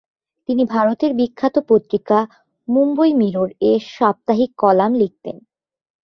তিনি ভারতের বিখ্যাত পত্রিকা "মুম্বই মিরর" এ সাপ্তাহিক কলাম লিখতেন।